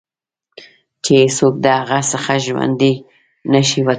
چې هېڅوک د هغه څخه ژوندي نه شي وتلای.